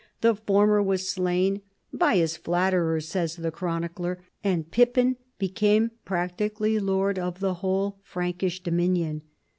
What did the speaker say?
The former was slain (" by bis flatterers," says the chronicler), and Pippin became practically lord of the whole Frankish dominion.